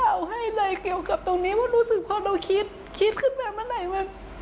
เอาให้เลยเกี่ยวกับตรงนี้ว่ารู้สึกพอเราคิดคิดขึ้นมาเมื่อไหร่มัน